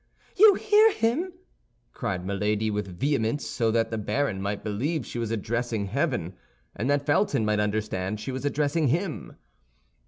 "You hear him!" cried Milady, with vehemence, so that the baron might believe she was addressing heaven, and that Felton might understand she was addressing him.